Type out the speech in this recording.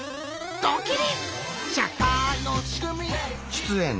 ドキリ！